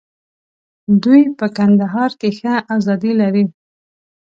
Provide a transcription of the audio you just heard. دوی په کندهار کې ښه آزادي لري.